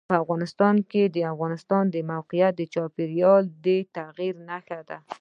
افغانستان کې د افغانستان د موقعیت د چاپېریال د تغیر نښه ده.